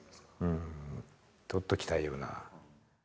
取っときたいような。